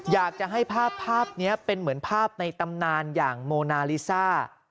อยากจะให้ภาพภาพนี้เป็นเหมือนภาพในตำนานอย่างโมนาลิซ่า